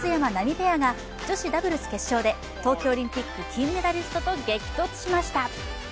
ペアが女子ダブルス決勝で東京オリンピック金メダリストと激突しました。